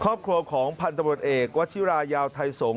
ครอบครัวของพันธุบัตรเอกวาธิรายาวไทยสงก์